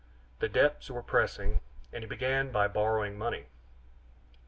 The debts were pressing, and he began by borrowing money.